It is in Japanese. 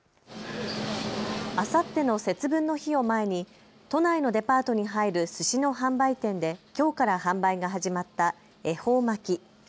あさっての節分の日を前に都内のデパートに入るすしの販売店できょうから販売が始まった恵方巻き。